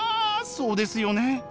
そうですよね。